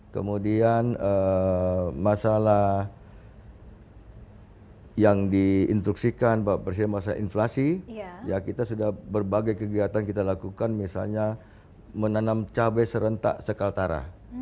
kemudian masalah yang diinstruksikan pak presiden masalah inflasi ya kita sudah berbagai kegiatan kita lakukan misalnya menanam cabai serentak sekaltara